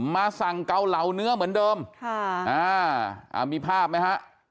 มาสั่งเกาเหลาเนื้อเหมือนเดิมค่ะอ่ามีภาพไหมฮะ